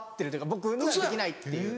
僕にはできないっていう。